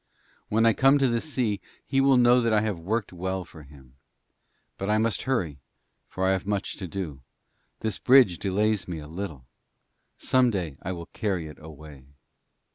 When I come to the sea, he will know that I have worked well for him. But I must hurry, for I have much to do. This bridge delays me a little; some day I will carry it away.'